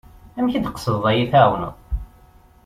Amek i d-tqesdeḍ ad yi-εawneḍ?